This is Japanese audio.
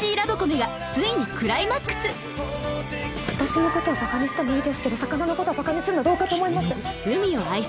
私のことはばかにしてもいいですけど魚のことをばかにするのはどうかと思います。